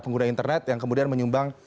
pengguna internet yang kemudian menyumbang